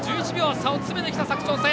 差を詰めてきた佐久長聖。